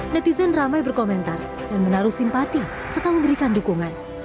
netizen ramai berkomentar dan menaruh simpati serta memberikan dukungan